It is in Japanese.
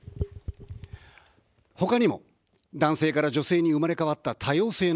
他にも、男性から女性に生まれ変わった多様性の星。